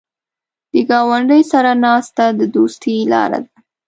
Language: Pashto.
د ګاونډي سره ناسته د دوستۍ لاره ده